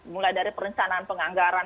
mulai dari perencanaan penganggaran